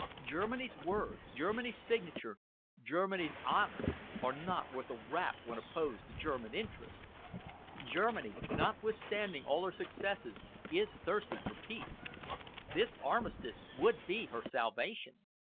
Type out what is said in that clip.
Germany's word, Germany's signature, Germany's honour, are not worth a rap when opposed to German interests. Germany, notwithstanding all her successes, is thirsting for peace. This armistice would be her salvation.